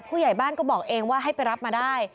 ผู้ใหญ่บ้านก็บอกเองว่าให้ไปรับมาได้